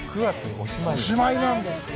おしまいなんですよ。